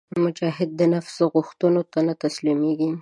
مجاهد د نفس غوښتنو ته نه تسلیمیږي.